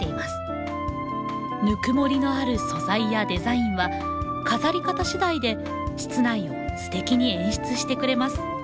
ぬくもりのある素材やデザインは飾り方しだいで室内をステキに演出してくれます。